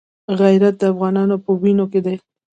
غیرت د افغانانو په وینو کې دی.